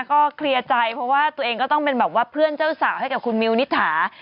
ก็เคลียร์ใจเพราะว่าตัวเองก็ต้องเป็นแบบว่าเพื่อนเจ้าสาวให้กับคุณมิวนิษฐา